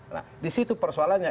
nah di situ persoalannya